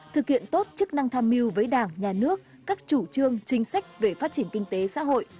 thực hiện tốt chức năng tham mưu với đảng nhà nước các chủ trương chính sách về phát triển kinh tế xã hội